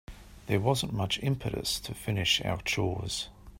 There wasn't much impetus to finish our chores.